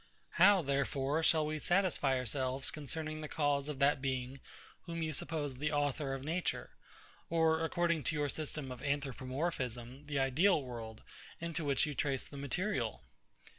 How, therefore, shall we satisfy ourselves concerning the cause of that Being whom you suppose the Author of Nature, or, according to your system of Anthropomorphism, the ideal world, into which you trace the material?